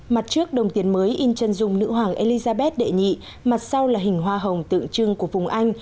mặt trước đồng tiền mới in chân dung nữ hoàng elizabeth đệ nhị mặt sau là hình hoa hồng tượng trưng của vùng anh